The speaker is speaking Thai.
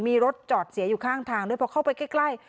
มีรถจอดเสียอยู่ข้างทางด้วยพอเข้าไปใกล้